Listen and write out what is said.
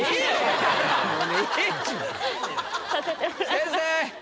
先生！